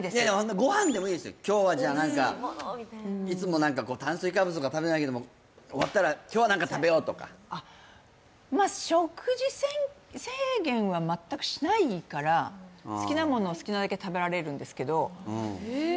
ご飯でもいいですよ今日は何かいつも炭水化物とか食べないけど終わったら今日は何か食べようとかまあ食事制限は全くしないから好きなものを好きなだけ食べられるんですけどえっ